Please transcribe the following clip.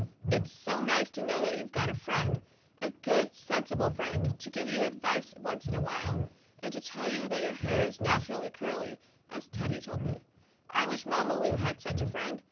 It's so nice to know that you've got a friend, a good sensible friend, to give you advice once in a while, and to tell you that your hair is naturally curly, just as Teddy told me. I wish Mamma Lu had such a friend.